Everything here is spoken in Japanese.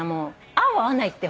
合う合わないって